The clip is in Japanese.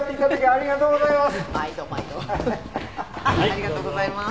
ありがとうございます。